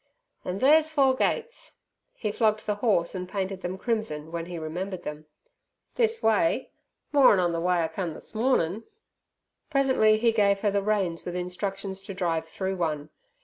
An' there's four gates" (he flogged the horse and painted them crimson when he remembered them) "this way, more'n on ther way I come this mornin'." Presently he gave her the reins with instructions to drive through one.